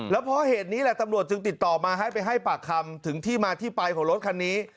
แล้วเพราะเหตุนี้แหละตำรวจจึงติดต่อมาให้ไปให้ปากคำถึงที่มาที่ไปของรถคันนี้